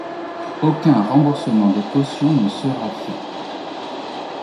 Aucun remboursement de caution ne sera fait.